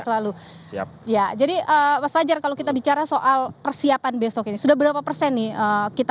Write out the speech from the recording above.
selalu siap ya jadi mas fajar kalau kita bicara soal persiapan besok ini sudah berapa persen nih kita